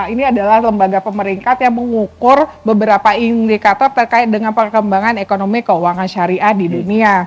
ini adalah lembaga pemeringkat yang mengukur beberapa indikator terkait dengan perkembangan ekonomi keuangan syariah di dunia